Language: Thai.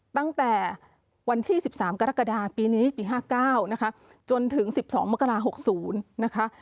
ตั้งแต่วันที่๑๓กรกฎาปีนี้ปี๕๙นะคะจนถึง๑๒มกรา๖๐นะคะ